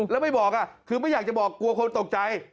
แล้วไม่บอกคือไม่อยากจะบอกกลัวคนตกใจ